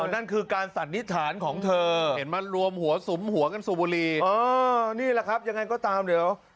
นั่นคือการสันนิษฐานของเธอเห็นมันรวมหัวสุมหัวกันสูบบุรีนี่แหละครับยังไงก็ตามเดี๋ยว